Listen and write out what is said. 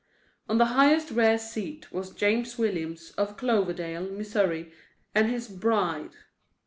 On the highest, rear seat was James Williams, of Cloverdale, Missouri, and his Bride.